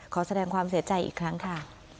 ขอแสดงความเสียใจอีกครั้งค่ะ